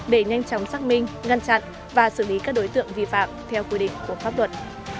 để nhanh chóng xác minh ngăn chặn và xử lý các đối tượng vi phạm theo quy định của pháp luật